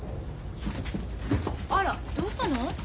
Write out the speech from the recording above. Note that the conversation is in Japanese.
あらどうしたの？